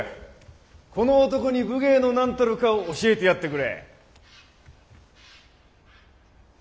この男に武芸のなんたるかを教えてやってくれ！